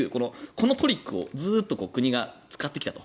このトリックをずっと国が使ってきたと。